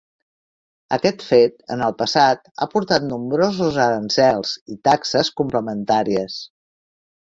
Aquest fet, en el passat, ha portat nombrosos aranzels i taxes complementàries.